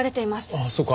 ああそっか。